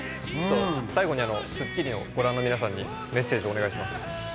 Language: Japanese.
最後に『スッキリ』をご覧の皆さんにメッセージをお願いします。